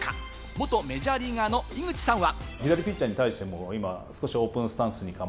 元メジャーリーガーの井口さんは。